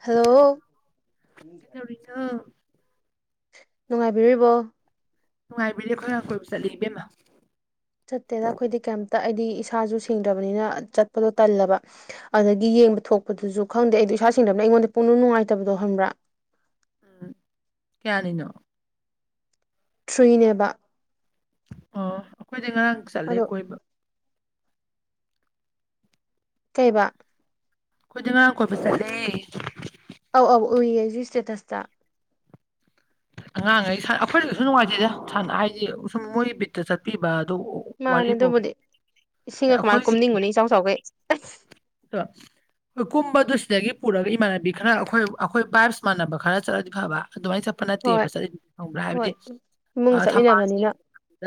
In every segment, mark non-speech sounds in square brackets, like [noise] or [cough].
Hello ꯀꯩꯗꯧꯔꯤꯅꯣ ꯅꯨꯡꯉꯥꯏꯕꯤꯔꯤꯕꯣ ꯅꯨꯡꯉꯥꯏꯕꯤꯔꯦ ꯈꯣꯏ ꯉꯥꯡ ꯀꯣꯏꯕ ꯆꯠꯂꯤ ꯏꯕꯦꯝꯃꯥ ꯆꯠꯇꯦꯗ ꯑꯩꯈꯣꯏꯗꯤ ꯀꯩꯇ ꯑꯩꯗꯤ ꯏꯁꯥꯁꯨ ꯁꯦꯡꯗ꯭ꯔꯕꯅꯤꯅ ꯆꯠꯄꯗꯣ ꯇꯜꯂꯕ ꯑꯗꯒꯤ ꯌꯦꯡꯕ ꯊꯣꯛꯄꯗꯨꯁꯨ ꯈꯪꯗꯦ ꯑꯩꯗ‌ꯣ ꯏꯁꯥ ꯁ‌ꯦꯡꯗꯝꯅꯤ ꯑꯩꯉꯣꯟꯗ ꯄꯨꯡꯅꯨꯡ ꯅꯨꯡꯉꯥꯏꯇꯕꯗꯣ ꯈꯪꯕ꯭ꯔꯥ ꯎꯝ ꯀꯌꯥꯅꯤꯅꯣ ꯊ꯭ꯔꯤꯅꯦꯕ ꯑꯣ ꯑꯩꯈꯣꯏꯗꯤ ꯉꯔꯥꯡ ꯆꯠꯂꯦ ꯑꯗꯣ ꯀꯣꯏꯕ ꯀꯩꯕ ꯑꯥꯈꯣꯏꯗꯤ ꯉꯥꯡ ꯀꯣꯏꯕ ꯆꯠꯂꯦ ꯑꯧ ꯑꯧ ꯎꯏꯌꯦ ꯑꯩꯖꯨ ꯁ꯭ꯇꯦꯇꯁꯇ ꯑꯉꯥꯡꯉꯩ ꯁꯥꯟꯅ ꯑꯩꯈꯣꯏ ꯀꯩꯁꯨ ꯅꯨꯡꯉꯥꯏꯇ‌ꯦꯗ ꯁꯥꯅ ꯍꯥꯏꯗꯤ ꯁꯨꯝ ꯃꯣꯏ ꯕꯤꯠꯇ ꯆꯠꯄꯤꯕꯗꯨ ꯃꯥꯅꯦ ꯑꯗꯨꯕꯨꯗꯤ ꯏꯁꯤꯡꯒ ꯀꯃꯥꯏ ꯑꯩꯈꯣꯏꯒꯤ ꯀꯨꯝꯅꯤꯡꯉꯨꯅꯤ ꯏꯆꯥꯎ ꯆꯥꯎꯈꯩ [unintelligible] ꯣꯏ ꯀꯨꯝꯕꯗꯨ ꯁꯤꯗꯒꯤ ꯄꯨꯔꯒ ꯏꯃꯥꯟꯅꯕꯤ ꯈꯔ ꯑꯩꯈꯣꯏ ꯑꯩꯈꯣꯏ ꯕꯥꯏꯞꯁ ꯃꯥꯟꯅꯕ ꯈꯔ ꯆꯠꯂꯗꯤ ꯐꯕ ꯑꯗꯨꯃꯥꯏꯅ ꯆꯠꯄ ꯐ ꯅꯠꯇꯦꯕ ꯍꯣꯏ ꯆꯠꯂꯤ ꯊꯪꯕ꯭ꯔꯥ ꯍꯥꯏꯕꯗꯤ ꯍꯣꯏ ꯏꯃꯨꯡꯒ ꯊꯝꯕꯥꯜꯁ ꯆꯠꯃꯤꯟꯅꯕꯅꯤꯅ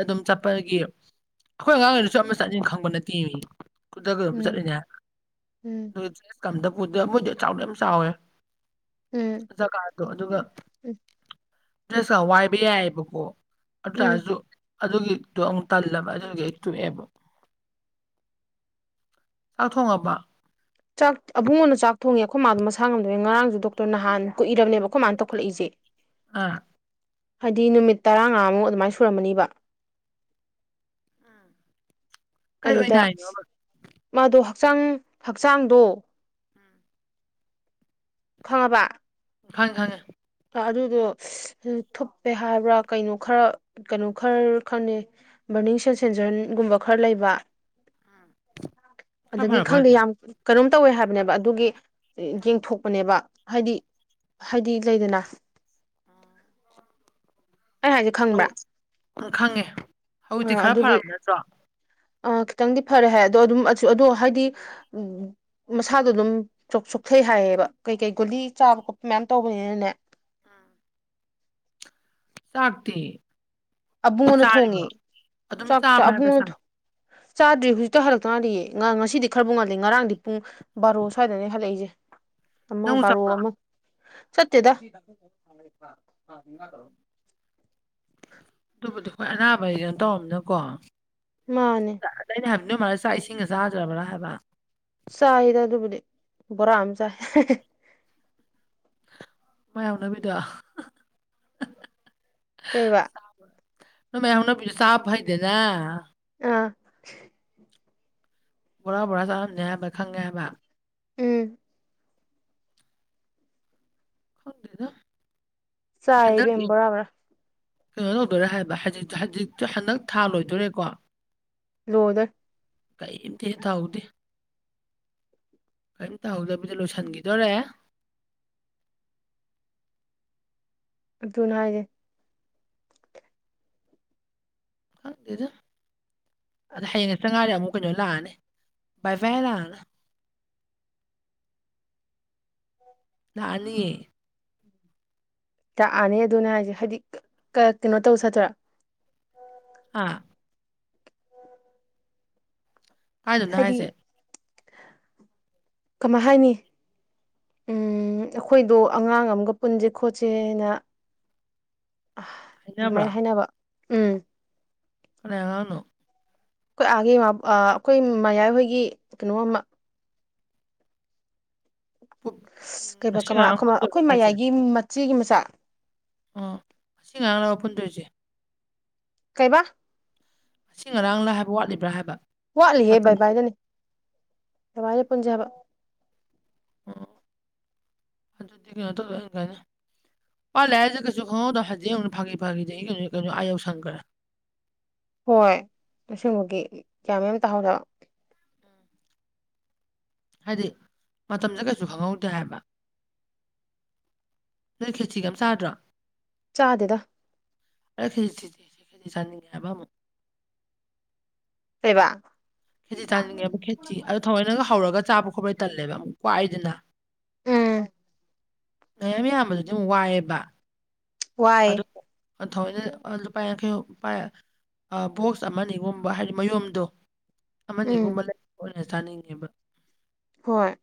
ꯑꯗꯨꯝ ꯆꯠꯄꯒꯤ ꯑꯩꯈꯣꯏ ꯑꯉꯥꯡ ꯑꯣꯏꯗꯁꯨ ꯑꯃ ꯆꯠꯅꯤꯡꯟ ꯈꯪꯕ ꯅꯠꯇꯦ ꯈꯨꯗ ꯀ ꯑꯗꯨ ꯎꯝ ꯆꯠꯂꯤꯅꯦ ꯎꯝ ꯗꯗꯕꯨꯣꯏꯗꯤ ꯆꯥꯎꯗ ꯌꯥꯝ ꯆꯥꯎꯋꯦ ꯎꯝ ꯖꯒꯥ ꯑꯗꯣ ꯑꯗꯨꯒ ꯎꯝ ꯋꯥꯏꯕ ꯌꯥꯏꯑꯕꯀꯣ ꯎꯝ ꯑꯗꯨꯇꯔꯁꯨ ꯑꯗꯨꯒꯤꯗꯣ ꯑꯃꯨꯛ ꯇꯜꯂꯕ ꯑꯗꯨꯒꯤ ꯍꯦꯛ ꯇꯣꯛꯑꯦꯕ ꯆꯥꯛ ꯊꯣꯡꯉꯕ‌ꯣ ꯆꯥꯛ ꯑꯕꯨꯡꯉ‌ꯣꯅ ꯆꯥꯛ ꯊꯣꯡꯉꯦ ꯑꯩꯈꯣꯏ ꯃꯥꯗꯣ ꯃꯁꯥ ꯉꯝꯗꯕꯩ ꯉꯔꯥꯡꯁꯨ ꯗꯣꯛꯇꯔ ꯅꯍꯥꯟ ꯀꯨꯏꯔꯕꯅꯦꯕ ꯑꯩꯈꯣꯏ ꯃꯥꯅ ꯇꯧꯈꯠꯂꯛꯏꯁꯦ ꯑꯥ ꯍꯥꯏꯗꯤ ꯅꯨꯃꯤꯠ ꯇꯔꯥꯉꯥꯃꯨꯛ ꯑꯗꯨꯃꯥꯏ ꯁꯨꯔꯝꯃꯅꯤꯕ ꯀꯩ ꯑꯣꯏꯅ ꯑꯗꯨꯗ ꯍꯥꯏꯅꯣꯕ ꯃꯥꯗꯣ ꯍꯛꯆꯥꯡ-ꯍꯛꯆꯥꯡꯗꯣ ꯎꯝ [inaudible] ꯈꯪꯉꯕ ꯈꯪꯉꯦ-ꯈꯪꯉꯦ ꯑꯗꯨꯗꯣ ꯎꯝ ꯊꯨꯞꯄꯦ ꯍꯥꯏꯕ꯭ꯔꯥ ꯀꯩꯅꯣ ꯈꯔ ꯀꯩꯅꯣ ꯈꯔ ꯈꯪꯅ‌ꯦ ꯕꯔꯅꯤꯡ ꯁꯦꯟꯁꯦꯟꯖꯔꯟꯒꯨꯝꯕ ꯈꯔ ꯂꯩꯕ ꯈꯔ ꯑꯗꯒꯤ ꯐꯔꯕ ꯈꯪꯗꯦ ꯍꯧꯖꯤꯛ ꯌꯥꯝ ꯀꯩꯅꯣꯝ ꯇꯧꯋꯦ ꯍꯥꯏꯕꯅꯦꯕ ꯑꯗꯨꯒꯤ ꯌꯦꯡꯊꯣꯛꯄꯅꯦꯕ ꯍꯥꯏꯗꯤ ꯍꯥꯏꯗꯤ ꯂꯩꯗꯅ ꯑꯩ ꯍꯥꯏꯁꯦ ꯍ ꯈꯪꯕ꯭ꯔꯥ ꯎꯝ ꯈꯪꯉꯦ ꯑ ꯍꯧꯖꯤꯛꯇꯤ ꯈꯔ ꯑꯗꯨꯒꯤ ꯐꯔꯕ ꯅꯠꯇ꯭ꯔꯣ ꯑ ꯈꯤꯇꯪꯗꯤ ꯐꯔꯦ ꯍꯥꯏ ꯑꯗꯣ ꯑꯗꯨꯝ ꯑꯗꯣ ꯍꯥꯏꯗꯤ ꯎꯝ ꯃꯁꯥꯗꯣ ꯑꯗꯨꯝ ꯁꯣꯛꯊꯩ ꯍꯥꯏꯌꯦꯕ ꯀꯩ ꯀꯩ ꯒꯨꯂꯤ ꯆꯥꯕ ꯈꯣꯠꯄ ꯃꯌꯥꯝ ꯇꯧꯕꯅꯤꯅꯅꯦ ꯎꯝ ꯁꯥꯇꯤ ꯑꯕꯨꯡꯉꯅ ꯊꯣꯡꯉꯤ ꯑꯗꯨꯝ ꯆꯥꯛ ꯆ ꯆꯥꯕ꯭ꯔꯥ ꯍꯥꯏꯕ ꯆꯥꯡ ꯑꯕꯨꯡꯉꯅ ꯆꯥꯗ꯭ꯔꯤ ꯍꯧꯖꯤꯛꯇꯣ ꯍꯜꯂꯛꯇꯉꯥꯟꯗꯤ ꯉꯁꯤꯗꯤ ꯈꯔꯕꯨ ꯉꯜꯂꯤꯦ ꯉꯔꯥꯡꯗꯤ ꯄꯨꯡ ꯕꯥꯔꯣ ꯁ꯭ꯋꯥꯏꯗꯅꯦ ꯍꯜꯂꯛꯏꯁꯦ ꯑꯃ ꯅꯪꯕꯨ ꯕꯥꯔꯣ ꯆꯠꯄ꯭ꯔꯣ ꯑꯃ ꯆꯠꯇꯦꯗ [inaudible] ꯑꯗꯨꯕꯨꯗꯤ ꯑꯩꯈꯣꯏ ꯑꯅꯥꯕ ꯍꯩꯅ ꯇꯧꯔꯝꯅꯀꯣ ꯃꯥꯅꯦ ꯑꯗ ꯑꯩꯅ ꯍꯥꯏꯕꯗꯨ ꯃꯥꯂꯦ ꯆꯥꯛ ꯏꯁꯤꯡꯒ ꯆꯥꯗ꯭ꯔꯕ꯭ꯔꯥ ꯍꯥꯏꯕ ꯆꯥꯏꯗ ꯑꯗꯨꯕꯨꯗꯤ ꯕꯣꯔꯥ ꯑꯃ ꯆꯥꯏ ꯃꯌꯥꯝꯅꯕꯤꯗ ꯀꯩ ꯋꯥ ꯅ ꯃ ꯍꯨꯅ ꯄ ꯁꯥꯞ ꯍꯥꯏꯩꯗꯦꯅ [inaudible] ꯑꯥ ꯕꯣꯔꯥ ꯕꯣꯔꯥ ꯆꯥꯔꯝꯅꯤꯦ ꯍꯥꯏꯕ ꯈꯪꯉꯦ ꯍꯥꯏꯕ ꯎꯝ ꯍꯗꯗ ꯆꯥꯏ ꯍꯗ ꯏꯕꯦꯝ ꯕꯣꯔꯥ ꯕꯣꯔꯥ ꯀꯩꯅꯣ ꯇꯧꯗꯣꯔꯦ ꯍꯥꯏꯕ ꯍꯧꯖꯤ ꯍꯧꯖꯤ ꯍꯟꯗꯛ ꯊꯥ ꯂꯣꯏꯗꯣꯔꯦꯀꯣ [unintelligible] ꯀꯔꯤꯝꯇ ꯍꯦ ꯇꯍꯧꯗꯦ ꯀꯔꯤꯝꯇꯍꯧꯗꯕꯤꯗ ꯂꯣꯏꯁꯤꯟꯈꯤꯗꯣꯔꯦ ꯑꯗꯨꯅ ꯍꯥꯏꯁꯦ ꯈꯪꯗꯦꯗ ꯑꯗ ꯍꯌꯦꯡ ꯉꯠꯇ꯭ꯔ ꯉꯥꯏꯔ ꯑꯃꯨꯛ ꯀꯩꯅꯣ ꯂꯥꯛꯑꯅꯤ ꯕꯥꯏ ꯐꯥꯏ ꯂꯥꯛꯑꯒ ꯂꯛꯅꯤꯌꯦ ꯇꯥꯛꯑꯅꯤ ꯑꯗꯨꯅꯦ ꯍꯥꯏꯁꯦ ꯍꯥꯏꯗꯤ ꯀꯩꯅꯣ ꯇꯧ ꯆꯠꯇꯣꯏꯔꯥ ꯑꯥ ꯀꯥꯏꯗꯣꯅ ꯍꯥꯏꯗꯤ ꯍꯥꯏꯁꯦ ꯀꯃꯥꯏ ꯍꯥꯏꯅꯤ ꯎꯝ ꯑꯩꯈꯣꯏꯗꯣ ꯑꯉꯥꯡ ꯑꯃꯒ ꯄꯨꯟꯁꯦ ꯈꯣꯠꯁꯦꯅ ꯍꯥꯏꯅꯕ꯭ꯔꯣ ꯑꯗꯨꯃꯥꯏꯅ ꯍꯥꯏꯅꯕ ꯎꯝ ꯀꯅꯥꯢ ꯑꯉꯥꯡꯅꯣ ꯑꯩꯈꯣꯏ ꯑꯥꯒ ꯑꯩꯈꯣꯏ ꯃꯌꯥꯏꯍꯣꯏꯒꯤ ꯀꯩꯅꯣꯃ ꯄꯨ- ꯀꯩꯕ ꯉꯁꯤ ꯀꯃꯥꯏ ꯉꯔꯥꯡ ꯄꯨꯟꯗꯣꯏꯔꯣ ꯑꯩꯈꯣꯏ ꯍꯥꯏꯁꯦ ꯃꯌꯥꯏꯒꯤ ꯃꯆꯦꯒꯤ ꯃꯆꯥ ꯑꯣ ꯑꯁꯤ ꯉꯥꯡꯁꯤꯒꯔꯣ ꯄꯨꯟꯗꯣꯏꯁꯦ ꯀꯩꯕꯥ ꯑꯁꯤ ꯉꯔꯥꯡꯅ ꯍꯥꯏꯕ ꯋꯥꯠꯂꯤꯕ꯭ꯔꯥ ꯍꯥꯏꯕ ꯃꯇꯝꯗꯣ ꯑꯗꯨꯃꯥꯏꯅ ꯄꯨꯟꯖꯕ ꯑꯣ ꯑꯗꯨꯗꯤ ꯀꯩꯅꯣ ꯇꯧꯔꯛꯑꯅ ꯀꯥꯏꯅ ꯄꯜꯂꯦꯁꯦ ꯀꯩꯁꯨ ꯈꯪꯍꯧꯗꯣ ꯍꯧꯖꯤꯛꯡꯉꯛ ꯐꯥꯒꯤ ꯐꯒꯤꯗꯤ ꯑꯩ ꯀꯩꯅꯣ ꯀꯩꯅꯣ ꯑꯥꯏ ꯌꯧꯁꯟꯈ꯭ꯔꯦ ꯍꯣꯏ ꯑꯁꯤꯃꯒꯤ ꯀꯌꯥꯃ ꯑꯃ ꯇꯥꯍꯧꯗ ꯍꯥꯏꯗꯤ ꯃꯇꯝꯁꯦ ꯀꯩꯁꯨ ꯈꯪꯍꯧꯗꯦ ꯍꯥꯏꯕ ꯅꯣꯢ ꯈꯦꯖꯤꯒ ꯑꯝ ꯆꯥꯗ꯭ꯔꯣ ꯆꯥꯗꯦꯗ ꯑꯩ ꯈꯦꯖꯤ [inaudible] ꯊꯤꯗꯤꯦ ꯈꯦꯖꯤꯗꯤ ꯆꯅꯤꯡꯉꯦ ꯍꯥꯏꯕ ꯑꯃ ꯀꯩꯕꯥ ꯈꯦꯖꯤ ꯆꯥꯅꯤꯡꯉꯦꯕꯣ ꯈꯦꯆꯤ ꯑꯗꯣ ꯊꯑꯣꯏꯅꯒ ꯍꯧꯔꯒ ꯆꯥꯕ ꯈꯣꯠꯄꯩ ꯇꯜꯂꯦꯕ ꯑꯃꯨꯛ ꯀꯨꯢꯗꯅ ꯎꯝ ꯃꯌꯥꯝ ꯌꯥꯝꯕꯗꯣ ꯑꯗꯨꯝ ꯋꯥꯏꯑꯦꯕ ꯋꯥꯏꯌꯦ ꯑ ꯊꯑꯣꯏꯅ ꯂꯨꯄꯥ ꯌꯥꯡꯈꯩ ꯄꯥꯢꯔ ꯕꯣꯛꯁ ꯑꯃꯅꯤꯒꯨꯝꯕ ꯍꯥꯏꯗꯤ ꯃꯌꯨꯝꯗꯣ ꯎꯝ ꯑꯃꯅꯤꯒꯨꯝꯕ ꯂꯩꯕ ꯑꯣꯏꯅ ꯆꯥꯅꯤꯡꯉꯦꯕ ꯍꯣꯏ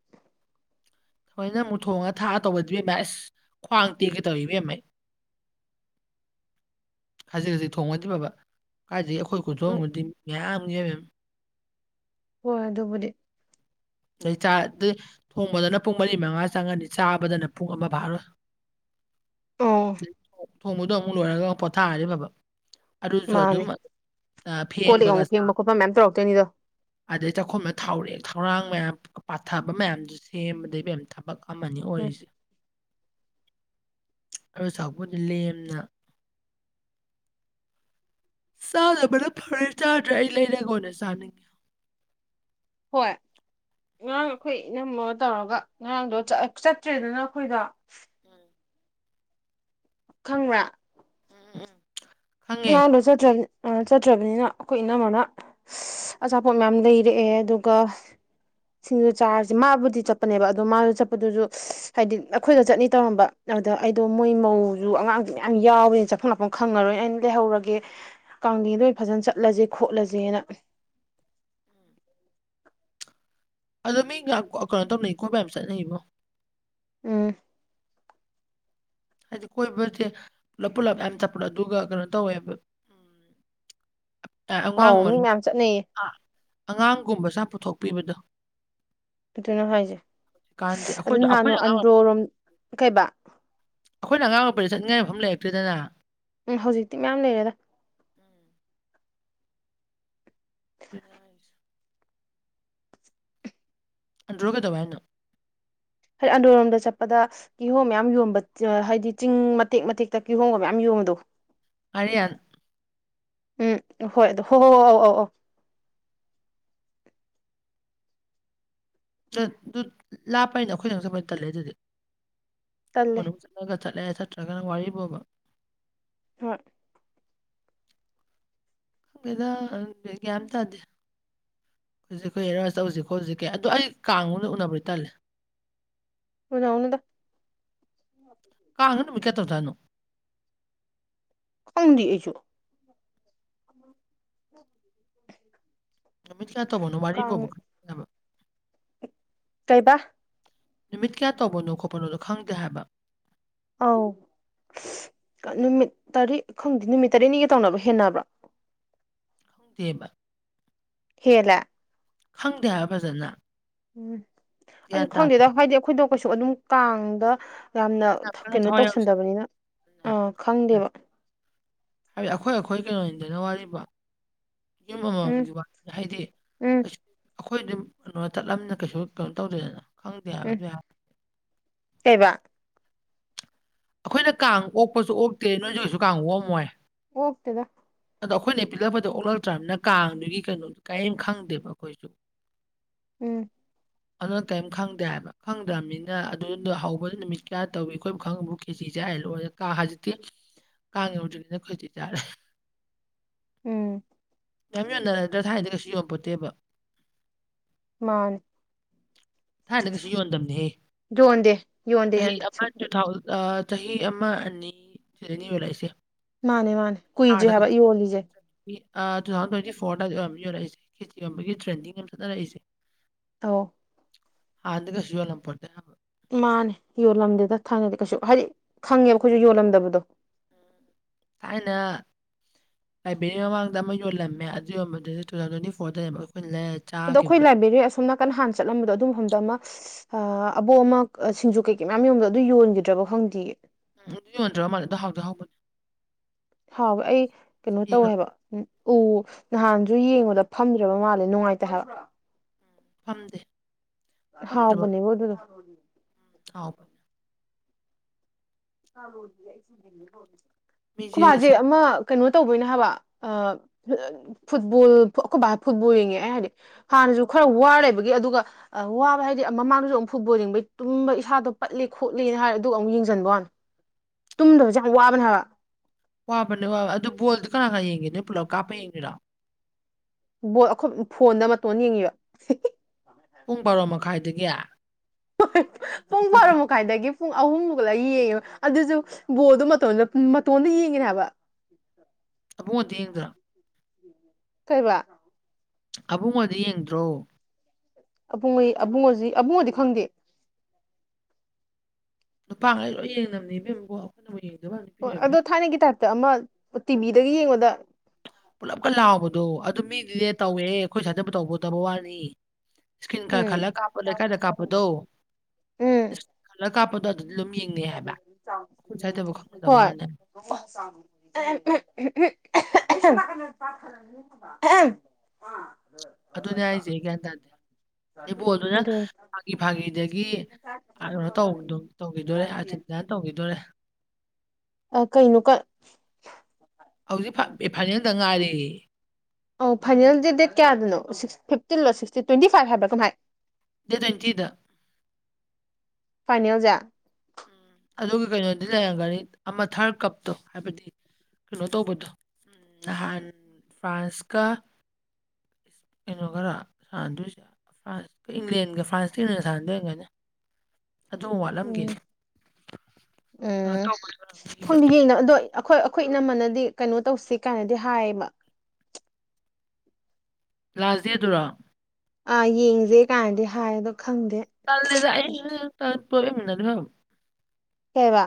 ꯍꯣꯏꯅ ꯑꯃꯨꯛ ꯊꯣꯡꯉꯒ ꯊꯥꯛꯑ ꯇꯧꯕꯗꯣ ꯑꯁ ꯈ꯭ꯋꯥꯡ ꯇꯦꯛꯒꯩ ꯇꯧꯋꯤ ꯢꯕꯦꯝꯃꯥ ꯈꯖꯤꯛ ꯈꯖꯤꯛ ꯊꯣꯡꯉꯗꯤ ꯐꯕꯥ ꯀꯥꯏꯗꯩ ꯑꯩꯈꯣꯏ ꯎꯝ ꯈꯨꯟꯊꯣꯡꯅꯗꯤ ꯌꯥꯝꯃꯦ ꯍꯣꯏ ꯑꯗꯨꯕꯨꯗꯤ ꯆꯍꯤ ꯆꯥ ꯑꯗꯨ ꯊꯣꯡꯕꯗꯅ ꯄꯨꯡ ꯃꯔꯤ ꯃꯉꯥ ꯆꯪꯉꯅꯤ ꯆꯥꯕꯗꯅ ꯄꯨꯡ ꯑꯃ ꯐꯥꯔꯣꯏ [unintelligible] ꯑꯥꯝ ꯊꯣꯡꯕꯗꯣ ꯑꯃꯨꯛ ꯂꯣꯏꯔꯒ ꯄꯣꯊꯥꯔꯗꯤ ꯐꯕ ꯑꯗꯨꯁꯨ ꯑꯗꯨꯝ ꯃꯥꯅꯦ ꯀꯣꯜ ꯂꯤꯛ ꯐꯦꯡꯕꯒ ꯑꯃꯨꯛ ꯆꯥꯝ ꯐꯦꯡꯕ ꯈꯣꯠꯄ ꯃꯌꯥꯝ ꯇꯧꯔꯛꯇꯣꯏꯅꯤꯗꯣ ꯑꯗꯩ ꯆꯥꯛꯈꯨꯝꯗꯣ ꯊꯥꯎꯔꯦꯛ ꯊꯧꯔꯥꯡ ꯃꯌꯥꯝ ꯄꯥꯊꯕ ꯃꯌꯥꯝꯗꯨ ꯁꯦꯝꯕꯗ ꯃꯌꯥꯝ ꯊꯕꯛ ꯑꯃꯅꯤ ꯎꯝ ꯑꯣꯏꯔꯤꯁꯦ ꯑꯗꯨꯢ ꯁꯥꯔꯨꯛꯄꯨꯗꯤ ꯂꯦꯝꯅ ꯆꯥꯗꯕꯅ ꯐꯔꯦ ꯆꯥꯗ꯭ꯔꯦ ꯑꯩ ꯂꯩꯔꯒ ꯑꯣꯢꯅ ꯆꯥꯅꯤꯡꯉꯦ ꯍꯣꯏ ꯎꯝ, ꯉꯔꯥꯡ ꯑꯩꯈꯣꯏ ꯏꯅꯝꯃꯒ ꯇꯧꯔꯒ ꯉꯔꯥꯡꯗꯣ ꯆꯠꯇ꯭ꯔꯦꯗꯅ ꯑꯩꯈꯣꯏꯗꯣ ꯎꯝ ꯈꯪꯕ꯭ꯔꯥ ꯎꯝ ꯈꯪꯉꯦ ꯉꯔꯥꯡꯗꯣ ꯆꯠꯇꯔꯝ ꯆꯠꯇ꯭ꯔꯕꯅꯤꯅ ꯑꯩꯈꯣꯏ ꯏꯅꯝꯃꯅ ꯑꯆꯥꯄꯣꯠ ꯃꯌꯥꯝ ꯂꯩꯔꯛꯑꯦ ꯑꯗꯨꯒ [unintelligible] ꯁꯤꯡꯗ ꯆꯥꯔꯁꯦ ꯃꯥꯕꯨꯗꯤ ꯆꯠꯄꯅꯦꯕ ꯑꯗꯣ ꯃꯥ ꯆꯠꯄꯗꯨꯁꯨ ꯍꯥꯏꯗꯤ ꯑꯩꯈꯣꯏꯗ ꯆꯠꯅꯤ ꯇꯧꯔꯝꯕ ꯑꯗꯨꯗ ꯑꯩꯗꯣ ꯃꯣꯏ ꯃꯧꯁꯨ ꯑꯉꯥꯡꯁꯨ ꯃꯌꯥꯝ ꯌꯥꯎꯕꯦꯅ ꯆꯐꯝ ꯂꯥꯛꯐꯝ ꯈꯪꯉꯔꯣꯏ ꯑꯩꯅ ꯂꯩꯍꯧꯔꯒꯦ ꯀꯥꯡꯗꯦꯟꯗ ꯑꯣꯏꯅ ꯐꯖꯅ ꯆꯠꯂꯁꯦ ꯈꯣꯠꯂꯁꯦꯅ ꯑꯗꯣ ꯃꯤ ꯉꯥꯛ ꯀꯩꯅꯣ ꯇꯧꯅꯩꯀꯣ ꯃꯌꯥꯝ ꯆꯠꯅꯩꯉꯣ ꯎꯝ ꯍꯥꯏꯗꯤ ꯀꯣꯏꯕꯁꯦ ꯄꯨꯂꯞ ꯄꯨꯂꯞ ꯃ ꯆꯠꯄꯗꯣ ꯑꯗꯨꯒ ꯀꯩꯅꯣ ꯇꯧꯋꯦꯕ ꯎꯝ ꯑꯉꯥꯡ ꯑꯧ ꯃꯤ ꯃꯅꯨꯡ ꯃꯌꯥꯝ ꯆꯠꯅꯩꯌꯦ ꯑꯉꯥꯡꯒꯨꯝꯕꯁꯨ ꯌꯥꯝ ꯄꯨꯊꯣꯛꯄꯤꯕꯗꯣ ꯑꯗꯨꯅꯦ ꯍꯥꯏꯁꯦ ꯍꯧꯖꯤꯛꯀꯥꯟꯗꯤ ꯑꯗꯨ ꯑꯩꯈꯣꯏꯗꯣ ꯅꯍꯥꯟꯅꯣ ꯑꯩꯈꯣꯏꯅ ꯑꯉꯥꯡ ꯑꯟꯗ꯭ꯔꯣ ꯑꯣꯏ- ꯔꯣꯝ ꯀꯩꯕ ꯑꯩꯈꯣꯏꯅ ꯑꯉꯥꯡ ꯑꯣꯏꯔꯤꯗ ꯆꯠꯅꯤꯡꯉꯥꯏ ꯃꯐꯝ ꯂꯩꯔꯛꯇꯦꯗꯅ ꯎꯝ ꯍꯧꯖꯤꯛꯇꯤ ꯃꯌꯥꯝ ꯂꯩꯔꯦꯗ ꯎꯝ, [unintelligible] ꯑꯟꯗ꯭ꯔꯣꯗ ꯀꯩꯗꯧꯋꯦ ꯍꯥꯏꯅꯣ ꯍꯥꯏ ꯑꯟꯗꯣꯔꯂꯣꯝꯗ ꯆꯠꯄꯗ ꯀꯤꯍꯣꯝ ꯃꯌꯥꯝ ꯌꯣꯝꯕ ꯍꯥꯏꯗꯤ ꯆꯤꯡ ꯃꯇꯦꯛ ꯃꯇꯦꯛꯇ ꯀꯤꯍꯣꯝꯒ ꯃꯌꯥꯝ ꯌꯣꯟꯕꯗꯣ ꯉꯔꯤꯌꯥꯟ ꯎꯝ ꯍꯣꯏ ꯑꯗꯣ ꯍꯣ ꯍꯣꯏ ꯍꯣꯏ ꯑꯧ ꯑꯧ ꯑꯗꯨ ꯂꯥꯞꯄꯅꯤꯅ ꯑꯩꯈꯣꯏꯗꯤ ꯑꯃꯨꯛ ꯆꯠꯄ ꯇꯜꯂꯦ ꯑꯗꯨꯗꯤ ꯏꯃꯨꯡ ꯇꯜꯂꯦ ꯃꯅꯨꯡ ꯆꯠꯂꯒ ꯆꯠꯂꯦ ꯆꯠꯇ꯭ꯔꯒꯅ ꯋꯥꯔꯤꯕꯨꯕ ꯍꯣꯏ ꯈꯪꯗꯦꯗ ꯒ꯭ꯌꯥꯟ ꯑꯝ ꯇꯥꯗꯦ ꯍꯧꯖꯤꯛ ꯑꯩꯈꯣꯏ ꯍꯦꯔꯣ ꯇꯧꯖꯤꯛꯀꯣ ꯍꯧꯖꯤꯛꯀꯤ ꯑꯗꯣ ꯑꯩ ꯀꯥꯡ ꯃꯅꯨꯡꯗ ꯎꯅꯕ ꯇꯜꯂꯦ ꯎꯅꯔꯨꯅꯨꯗ ꯀꯥꯡꯖꯦ ꯅꯨꯃꯤꯠ ꯀꯌꯥꯅꯤ ꯇꯧꯖꯠꯅꯣ ꯈꯪꯗꯦ ꯑꯩꯁꯨ ꯎ [unintelligible] ꯅꯨꯃꯤꯠ ꯀꯌꯥ ꯇꯧꯕꯅꯣ ꯋꯥꯔꯤꯕꯣꯕ ꯈꯪꯗꯦꯕ ꯀꯩꯕ ꯅꯨꯃꯤꯠ ꯀꯌꯥ ꯇꯧꯕꯅꯣ ꯈꯣꯠꯄꯅꯣꯗꯣ ꯈꯪꯗꯦ ꯍꯥꯏꯕ ꯑꯧ ꯅꯨꯃꯤꯠ ꯇꯔꯦꯠ ꯈꯪꯗꯦ ꯅꯨꯃꯤꯠ ꯇꯔꯦꯠꯅꯤꯒ ꯇꯧꯅꯕ ꯍꯦꯟꯅꯕ꯭ꯔꯥ ꯈꯪꯗꯦꯕ ꯍꯦꯜꯂꯦ ꯈꯪꯗꯦ ꯍꯥꯏꯕꯥ ꯐꯖꯅ ꯎꯝ ꯒ꯭ꯌꯥꯟ ꯑꯩꯁꯨ ꯇꯥꯗꯦ ꯈꯪꯗꯦꯗ ꯍꯥꯏꯗꯤ ꯑꯩꯈꯣꯏꯗꯣ ꯀꯩꯁꯨ ꯑꯗꯨꯝ ꯀꯥꯡꯗ ꯌꯥꯝꯅ ꯌꯥꯝ ꯀꯟꯅ ꯀꯩꯅꯣ ꯊꯋꯥꯏ ꯌꯥꯎꯁꯟꯅ ꯇꯧꯁꯟꯗꯕꯅꯤꯅ ꯑꯥ ꯈꯪꯗꯦꯕ ꯍꯥꯏꯗꯤ ꯑꯩꯈꯣꯏ ꯑꯩꯈꯣꯏ ꯀꯩꯅꯣꯅꯤꯗꯅ ꯋꯥꯔꯤꯕꯣ ꯌꯨꯝ ꯎꯝ ꯑꯃꯃꯝꯒꯤ ꯍꯥꯏꯗꯤ ꯎꯝ ꯀꯩꯁꯨ ꯑꯩꯈꯣꯏ ꯑꯗꯨꯝ ꯀꯩꯅꯣ ꯆꯠꯂꯝꯅꯤꯅ ꯀꯩꯁꯨ ꯀꯩꯅꯣ ꯇꯧꯗꯦꯗꯅ ꯈꯪꯗꯦ ꯍꯥꯏꯕ ꯑꯗꯨꯏ ꯍꯥꯏꯔꯗꯤ ꯀꯩꯕ ꯑꯩꯈꯣꯏꯅ ꯀꯥꯡ ꯑꯣꯛꯄꯁꯨ ꯑꯣꯛꯇꯦ ꯅꯣꯏꯁꯤꯁꯨ ꯀꯩꯁꯨ ꯀꯥꯡ ꯑꯣꯛꯑꯝꯃꯣꯏ ꯑꯣꯛꯇꯦꯗ ꯑꯗꯣ ꯑꯩꯈꯣꯏꯅ ꯄꯤꯛꯔꯛꯄꯗꯣ ꯑꯣꯛꯂꯛꯇ꯭ꯔꯕꯅꯤꯅ ꯀꯥꯡꯗꯨꯒꯤ ꯀꯩꯅꯣꯗꯣ ꯀꯔꯤꯝ ꯈꯪꯗꯦꯕ ꯑꯩꯈꯣꯏꯁꯨ ꯎꯝ [inaudible] ꯑꯗꯨꯅ ꯀꯔꯤꯝ ꯈꯪꯗꯦ ꯍꯥꯏꯕ ꯈꯪꯗ꯭ꯔꯕꯅꯤꯅ ꯑꯗꯨꯗꯣ ꯍꯧꯕ ꯅꯨꯃꯤꯠ ꯀꯌꯥ ꯇꯧꯏꯤ ꯑꯩꯈꯣꯏ ꯈꯪꯉꯕ꯭ꯔꯣ ꯈꯦꯖꯤ ꯆꯥꯏ ꯂꯣꯏꯔꯦ ꯀꯥ ꯍꯧꯖꯤꯛꯇꯤ ꯀꯥꯡꯌꯧꯗ꯭ꯔꯤꯉꯩꯅ ꯈꯦꯆꯤ ꯆꯥꯔꯦ ꯎꯝ ꯌꯥꯝ ꯌꯣꯟꯅꯔꯗ꯭ꯔꯥ ꯊꯥꯏꯅꯗꯤ ꯀꯩꯁꯨ ꯌꯣꯟꯄꯣꯠꯇꯦꯕ ꯃꯥꯥꯅꯦ ꯊꯥꯏꯅꯗꯤ ꯀꯩꯁꯨ ꯌꯣꯟꯗꯕꯅꯦꯍꯦ ꯌꯣꯟꯗꯦ ꯆꯍꯤ ꯌꯣꯟꯗꯦ ꯑꯃ ꯁꯨꯡ ꯇꯨ ꯊꯥꯎꯖꯟ ꯑꯥ ꯆꯍꯤ ꯑꯃ ꯑꯅꯤ ꯁꯤꯗꯅꯦ ꯌꯣꯜꯂꯛꯏꯁꯦ ꯃꯥꯅꯦ ꯃꯥꯅꯦ ꯀꯨꯏꯗ꯭ꯔꯤ ꯍꯥꯏꯕ ꯌꯣꯜꯂꯤꯖꯦ ꯃꯤ ꯑꯥ ꯇꯨ ꯊꯥꯎꯖꯟ ꯇ꯭ꯋꯦꯟꯇꯤ ꯐꯣꯔꯗ ꯑꯗꯨꯋꯥꯏꯗꯩ ꯑꯣꯏꯔꯝꯅꯝ ꯌꯧꯔꯛꯏꯁꯦ ꯈꯦꯖꯤ ꯌꯣꯟꯕꯒꯤ ꯇꯔꯦꯡꯗꯥꯡꯅ ꯆꯠꯅꯔꯛꯏꯁꯦ [unintelligible] ꯍꯥꯟꯅꯗꯤ ꯀꯩꯁꯨ ꯌꯣꯜꯔꯝꯄꯣꯟꯇꯦ ꯍꯥꯏꯕ ꯃꯥꯅꯦ ꯌꯣꯜꯂꯝꯗꯦꯗ ꯊꯥꯏꯅꯗꯤ ꯀꯩꯁꯨ ꯍꯥꯏꯗꯤ ꯈꯪꯉꯦꯕ ꯑꯩꯈꯣꯏꯁꯨ ꯌꯣꯜꯂꯝꯗꯕꯗꯣ ꯊꯥꯏꯅ ꯂꯥꯏꯕ꯭ꯔꯦꯔꯤ ꯃꯃꯥꯡꯗ ꯑꯃ ꯌꯣꯂꯝꯃꯦ ꯑꯗꯨ ꯌꯣꯟꯕꯗꯨꯁꯨ ꯇꯨ ꯊꯥꯎꯖꯟ ꯇ꯭ꯋꯦꯟꯇꯤ ꯐꯣꯔꯗꯅꯦꯕ ꯑꯩꯈꯣꯏ ꯂꯩꯔꯦ ꯑꯗꯣ ꯑꯩꯈꯣꯏ ꯂꯥꯏꯕ꯭ꯔꯦꯔꯤ ꯑꯁꯣꯝ ꯅꯥꯀꯟ ꯍꯥꯟ ꯆꯠꯂꯝꯕꯗꯣ ꯑꯗꯨ ꯃꯐꯝꯗꯣ ꯑꯃ ꯑꯥ ꯑꯕꯣꯛ ꯑꯃ ꯁꯤꯡꯖꯨ ꯀꯩꯀꯩ ꯃꯌꯥꯝ ꯌꯣꯟꯕꯗꯣ ꯑꯗꯨ ꯌꯣꯟꯈꯤꯗ꯭ꯔꯕꯣ ꯈꯪꯗꯤꯌꯦ ꯎꯝ ꯑꯗꯨ ꯌꯣꯟꯗ꯭ꯔ ꯃꯥꯂꯦꯗꯣ ꯑꯗꯨ ꯍꯥꯎꯗꯤ ꯍꯥꯎꯕꯅꯦ ꯍꯥꯎꯕ ꯑꯩ ꯀꯩꯅꯣ ꯇꯧꯋꯦ ꯁꯤꯈ꯭ꯔꯕ ꯍꯥꯏꯕ꯫ ꯎ ꯎ ꯅꯍꯥꯟꯁꯨ ꯌꯦꯡꯕꯗ ꯐꯝꯗ꯭ꯔꯕ ꯃꯥꯜꯂꯦ ꯅꯨꯡꯉꯥꯏꯇꯦ ꯍꯥꯏꯕ꯫ ꯐꯝꯗꯦ꯫ ꯐꯝꯗ꯭ꯔꯕ ꯍꯥꯎꯕꯅꯤꯕꫭ ꯑꯗꯨꯗꫭ꯫ [unintelligible] [inaudible] ꯈꯣꯏ ꯃꯤꯁꯦ ꯃꯥꯖꯦ ꯁꯨꯝ ꯑꯃꯥ ꯀꯩꯅꯣ ꯇꯧꯕꯩꯅꯦ ꯍꯥꯏꯕ ꯑ ꯐꯨꯠꯕꯣꯜ ꯑꯩꯈꯣꯏ ꯐꯨꯠꯕꯣꯜ ꯌꯦꯡꯉꯦ ꯑꯩ ꯍꯥꯏꯗꯤ ꯍꯥꯟꯅꯁꯨ ꯈꯔ ꯋꯥꯔꯂꯩꯕꯒꯤ ꯑꯗꯨꯒ ꯑ ꯋꯥꯕ ꯍꯥꯏꯗꯤ ꯃꯃꯥꯡꯗꯁꯨ ꯑꯃꯨꯛ ꯐꯨꯠꯕꯣꯜ ꯌꯦꯡꯕꯩ ꯇꯨꯝꯕ ꯏꯁꯥꯗꯣ ꯄꯠꯂꯦ ꯈꯣꯠꯂꯦꯅ ꯍꯥꯏꯔ ꯑꯗꯨꯒ ꯑꯃꯨꯛ ꯌꯦꯡꯖꯟꯕ ꯋꯥꯅꯤ ꯇꯨꯝꯗꯕꯁꯦ ꯌꯥꯝ ꯋꯥꯕꯅꯦ ꯍꯥꯏꯕ ꯋꯥꯕꯅꯦ ꯋꯥꯕ ꯑꯗꯨ ꯕꯣꯜꯗꯤ ꯀꯅꯥ ꯀꯅꯥ ꯌꯦꯡꯒꯦ ꯅꯣꯏ ꯄꯨꯂꯞ ꯀꯥꯞꯄ ꯌꯦꯡꯗꯣꯏꯔꯣ ꯕꯣꯜ ꯑꯩꯈꯣꯏ ꯐꯣꯟꯗ ꯃꯇꯣꯟ ꯌꯦꯡꯉꯤꯕ ꯄꯨꯡ ꯕꯥꯔꯣ ꯃꯈꯥꯏꯗꯒꯤ ꯄꯨꯡ ꯕꯔꯣ ꯑꯩꯈꯣꯏꯗꯤ ꯃꯈꯥꯏꯗꯒꯤ ꯄꯨꯡ ꯑꯍꯨꯝꯃꯨꯛ ꯂ ꯌꯦꯡꯉꯦꯕ ꯑꯗꯨꯁꯨ ꯕꯣꯜꯗꯣ ꯃꯇꯣꯟꯗ ꯃꯇꯣꯟꯗ ꯌꯦꯡꯏꯅꯦ ꯍꯥꯏꯕ꯫ ꯑꯕꯨꯡꯉꯣ ꯗꯤ ꯌꯦꯡꯗ꯭ꯔꫭ꯫ ꯀꯩꯕꯥ꯫ ꯑꯕꯨꯡꯉꯣꯗꯤ ꯌꯦꯡꯗ꯭ꯔꯣ꯫ ꯑꯕꯨꯡꯉꫭꯏ ꯑꯕꯨꯡꯉꫭꯁꯤ ꯑꯕꯨꯡꯉꯗꯤ ꯈꯪꯗꯦ꯫ ꯅꯨꯄꯥ ꯉꯩ ꯂꯣꯏ ꯌꯦꯡꯅꯕꯅꯦ ꯏꯕꯦꯝ ꯒꫭ꯫ [inaudible] ꯍꯣꯏ ꯑꯗꯣ ꯊꯥꯏꯅꯒꯤ ꯇꯥꯏꯞꯇ ꯑꯃ ꯇꯤꯚꯤꯗꯒ ꯌꯦꯡꯕꯗ ꯄꯨꯜꯂꯞꯀ ꯂꯥꯎꯕꯗꯣ ꯑꯗꯨꯝ ꯃꯤꯗꯤꯅꯦ ꯇꯧꯋꯦ ꯑꯩꯈꯣꯏ ꯁ꯭ꯋꯥꯏꯗꯕꯨ ꯇꯧꯕꯗꯕ ꯋꯥꯅꯤ꯫ ꯏꯁꯀꯤꯔꯤꯟ ꯈꯔ ꯈꯜꯂ ꯎꯝ ꯀꯥꯞꯄ ꯂꯩꯀꯥꯏꯗ ꯀꯥꯞꯄꯗꯣ ꯎꯝ ꯈꯜꯂ ꯀꯥꯞꯄꯗꯣ ꯑꯗꯨꯗꯤ ꯑꯗꯨꯝ ꯌꯦꯡꯅꯩ ꯍꯥꯏꯕ ꯑꯩꯈꯣꯏ ꯁ꯭ꯋꯥꯏꯗꯕꯨ ꯈꯪꯅꯗꯕ ꯍꯣꯏ ꯋꯥꯅꯦ꯫ [unintelligible] [unintelligible] ꯑꯗꯨꯅꯦ ꯍꯥꯏꯁꯦ ꯑꯩ ꯒ꯭ꯌꯥꯟ ꯇꯥꯗꯦ ꯑꯗꯩꯩ ꯕꯥꯜꯂ ꯗꯨꯅ ꯐꯥꯒꯤ ꯐꯥꯒꯤꯗꯒꯤ [inaudible] ꯑꯔꯒꯦꯟꯇꯤꯅꯥꯅ ꯇꯧꯒꯤꯗꫭꯔꯦ꯫ ꯑ ꯀꯩꯅꯣ ꯀ ꯍꯧꯖꯤꯛ ꯐꯥ ꯐꯥꯏꯅꯦꯜꯗꯪ ꯉꯥꯏꯔꯦ꯫ ꯑꯣ ꯐꯥꯏꯅꯦꯜꯗꯤ ꯗꯦꯠ ꯀꯌꯥꯗꯅꯣ ꯁꯤꯛꯁ ꯐꯤꯞꯇꯤꯟ ꯂꯣ ꯁꯤꯛꯁꯇꯤꯟ ꯇ꯭ꯋꯦꯟꯇꯤ ꯐꯥꯏꯚ ꯍꯥꯏꯕ꯭ꯔꯥ ꯀꯝꯍꯥꯏ꯫ ꯗꯦꯠ ꯇꯋꯤꯟꯇꯤꯗ꯫ ꯐꯥꯏꯅꯦꯜꯖꯦ꯫ ꯑꯗꯨꯒ ꯀꯩꯅꯣꯗꯤ ꯂꯩꯔꯝꯒꯅꯤ ꯑꯃ ꯊꯥꯔꯠ ꯀꯞꯇꯣ ꯍꯥꯏꯕꯗꯤ ꯀꯩꯅꯣ ꯇꯧꯕꯗꯣ꯫ ꯎꯝ ꯅꯍꯥꯟ ꯐ꯭ꯔꯥꯟꯁꯀ ꯀꯩꯅꯣ ꯒꯔ ꯁꯥꯟꯅꯗꯣꯏꯁꯦ꯫ ꯐ꯭ꯔꯥꯟꯁꯀ ꯏꯪꯂꯦꯟꯒ ꯐ꯭ꯔꯥꯟꯁꯇ ꯏꯡꯂꯦꯟꯒ ꯁꯥꯅꯗꯣꯏ ꯑꫭꯏꯔꯝꯒꯅꯤ ꯑꯗꯨ ꯃ ꯋꯥꯠꯂꯝꯒꯤꯅꯤ꯫ ꯎꯝ ꯎꯝ ꯑꯣꯏꯔꯝꯅꯤꯕ ꯈꯪꯡꯗꯤ ꯌꯦꯅ ꯑꯗꯣ ꯑꯈꯣꯏ ꯑꯈꯣꯏ ꯏꯅꯝꯃꯅꯗꯤ ꯀꯩꯅꯣ ꯇꯧꯁꯤ ꯀꯥꯏꯅꯗꯤ ꯍꯥꯏꯌꯦꯕ꯫ ꯂꯥꯁ ꯗꯦ ꯗꯨꯔꯣ꯫ ꯑꯥ ꯌꯦꯡꯁꯦ ꯀꯥꯏꯅꯗꯤ ꯍꯥꯏ ꯑꯗꯣ ꯈꯪꯗꯦ꯫ [inaudible] ꯀꯩꯕꯥ꯫